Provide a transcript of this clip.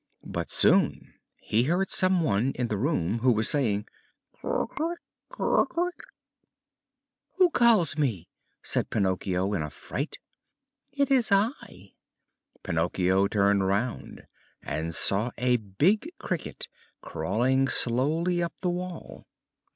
But soon he heard some one in the room who was saying: "Cri cri cri!" "Who calls me?" said Pinocchio in a fright. "It is I!" Pinocchio turned round and saw a big cricket crawling slowly up the wall.